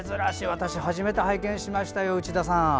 私、初めて拝見しましたよ、内田さん。